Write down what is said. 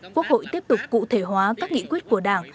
quốc hội tiếp tục cụ thể hóa các nghị quyết của đảng